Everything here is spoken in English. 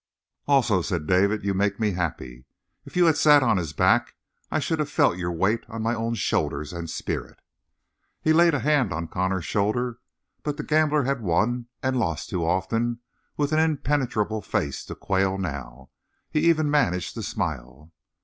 "Also," said David, "you make me happy. If you had sat on his back I should have felt your weight on my own shoulders and spirit." He laid a hand on Connor's shoulder, but the gambler had won and lost too often with an impenetrable face to quail now. He even managed to smile.